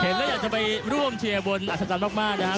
แล้วอยากจะไปร่วมเชียร์บนอัศจรรย์มากนะครับ